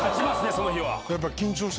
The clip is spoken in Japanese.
その日は。